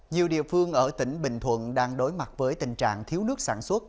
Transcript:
nhiều địa phương ở tỉnh bình thuận đang đối mặt với tình trạng thiếu nước sản xuất